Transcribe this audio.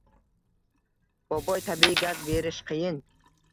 Boboy, tabiiy gaz berish qiyin